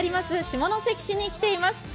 下関市に来ています。